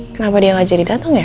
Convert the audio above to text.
kenapa dia gak jadi dateng ya